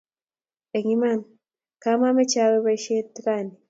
Eng Iman kamameche awe boishet raini